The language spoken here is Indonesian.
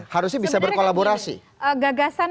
harusnya bisa berkolaborasi sebenarnya ini gagasan